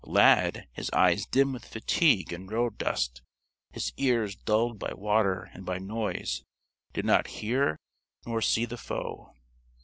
Lad his eyes dim with fatigue and road dust, his ears dulled by water and by noise did not hear nor see the foe.